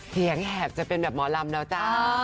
แหบจะเป็นแบบหมอลำแล้วจ้า